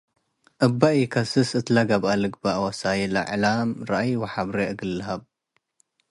እበ ኢከስስ እትለ ገብአ ልግበእ ወሳይል እዕላም ረአይ ወሐብሬ እግል ለሀብ፡